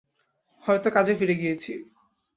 হয়তো কাজে ফিরে গিয়েছি।